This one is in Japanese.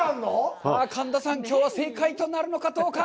神田さん、きょうは正解となるのかどうか。